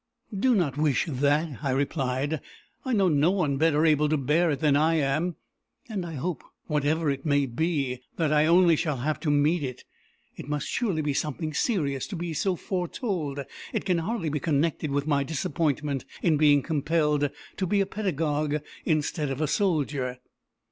"Do not wish that," I replied. "I know no one better able to bear it than I am; and I hope, whatever it may be, that I only shall have to meet it. It must surely be something serious to be so foretold it can hardly be connected with my disappointment in being compelled to be a pedagogue instead of a soldier."